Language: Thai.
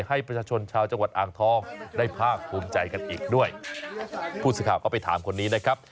ให้ประชาชนชาวจังหวัดอ่างทองได้ภาคภูมิใจกันอีกด้วยผู้สื่อข่าวก็ไปถามคนนี้นะครับ